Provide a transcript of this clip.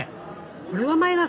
これはマイナス！